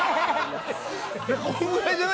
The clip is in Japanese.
こんぐらいじゃ？